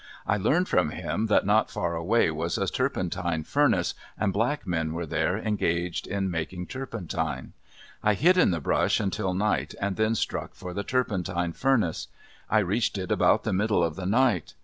I learned from him that not far away was a turpentine furnace, and black men were there engaged in making turpentine. I hid in the brush until night and then struck for the turpentine furnace. I reached it about the middle of the night.